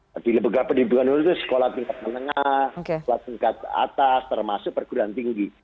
jadi lembaga pendidikan umum itu sekolah tingkat menengah sekolah tingkat atas termasuk perguruan tinggi